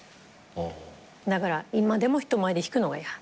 だから今でも人前で弾くのが嫌。